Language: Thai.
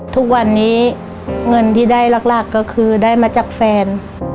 ทุกวันนี้เงินที่ได้หลักก็คือได้มาจากแฟน